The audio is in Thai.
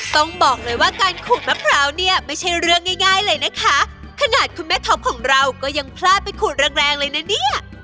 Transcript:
ต้องบอกเลยว่าการขูดมะพร้าวเนี่ยไม่ใช่เรื่องง่ายง่ายเลยนะคะขนาดคุณแม่ท็อปของเราก็ยังพลาดไปขูดแรงแรงเลยนะเนี่ย